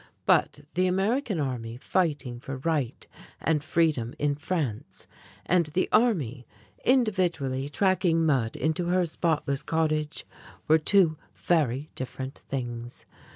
But the American army fighting for right and freedom in France, and the Army individually tracking mud into her spotless cottage, were two very different things.